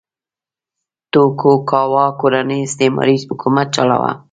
توکوګاوا کورنۍ استثماري حکومت چلاوه.